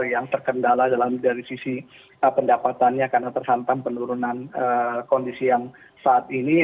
yang terkendala dari sisi pendapatannya karena terhantam penurunan kondisi yang saat ini